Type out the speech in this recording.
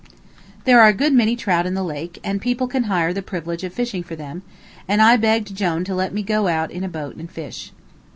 There are a good many trout in the lake, and people can hire the privilege of fishing for them; and I begged Jone to let me go out in a boat and fish.